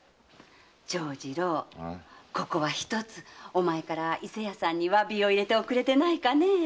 長次郎ここはひとつお前から伊勢屋さんに詫びを入れておくれでないかねえ。